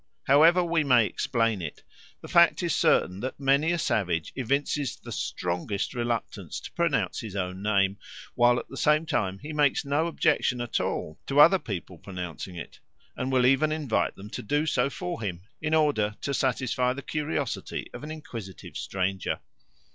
However we may explain it, the fact is certain that many a savage evinces the strongest reluctance to pronounce his own name, while at the same time he makes no objection at all to other people pronouncing it, and will even invite them to do so for him in order to satisfy the curiosity of an inquisitive stranger.